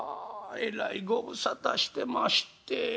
えらいご無沙汰してまして。